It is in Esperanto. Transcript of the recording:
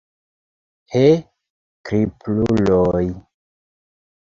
He, kripluloj!